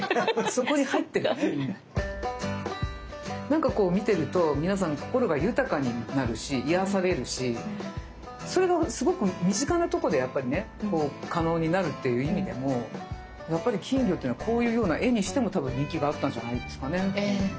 なんかこう見てると皆さん心が豊かになるし癒やされるしそれがすごく身近なとこでやっぱりね可能になるっていう意味でもやっぱり金魚っていうのはこういうような絵にしても多分人気があったんじゃないですかね。